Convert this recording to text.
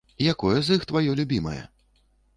Якое з іх тваё любімае?